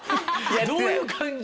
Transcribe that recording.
どういう感じ？